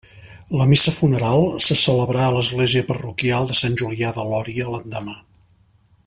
La missa funeral se celebrà a l'església parroquial de Sant Julià de Lòria l'endemà.